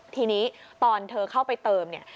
ทีนี้ตอนเธอเข้าไปเติมเนี่ย